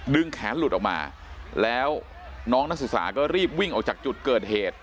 แขนหลุดออกมาแล้วน้องนักศึกษาก็รีบวิ่งออกจากจุดเกิดเหตุ